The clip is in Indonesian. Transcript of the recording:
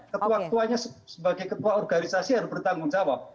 ketua ketuanya sebagai ketua organisasi harus bertanggung jawab